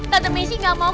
tante miski gak mau